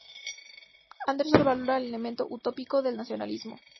Anderson valora el elemento utópico del nacionalismo.